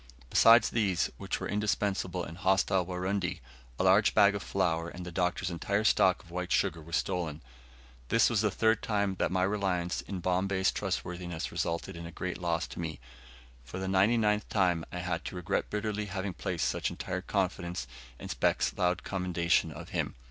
Besides these, which were indispensable in hostile Warundi, a large bag of flour and the Doctor's entire stock of white sugar were stolen. This was the third time that my reliance in Bombay's trustworthiness resulted in a great loss to me, and for the ninety ninth time I had to regret bitterly having placed such entire confidence in Speke's loud commendation of him.